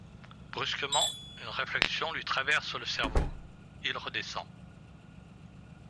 Brusquement une réflexion lui traverse le cerveau, il redescend.